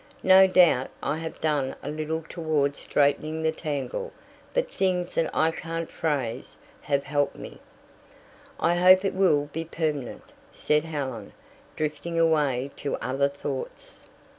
No doubt I have done a little towards straightening the tangle, but things that I can't phrase have helped me." "I hope it will be permanent," said Helen, drifting away to other thoughts.